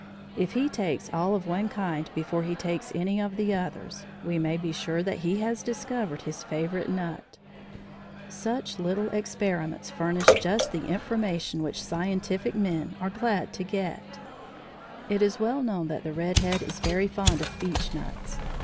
If he takes all of one kind before he takes any of the others, we may be sure that he has discovered his favorite nut. Such little experiments furnish just the information which scientific men are glad to get. It is well known that the red head is very fond of beechnuts.